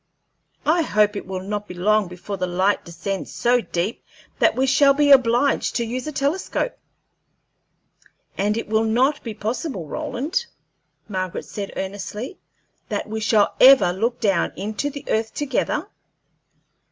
I hope it will not be long before the light descends so deep that we shall be obliged to use a telescope." "And will it not be possible, Roland," Margaret said, earnestly, "that we shall ever look down into the earth together?